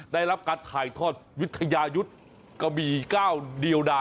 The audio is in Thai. ได้รับการถ่ายทอดวิทยายุทธ์กะหมี่ก้าวเดียวดา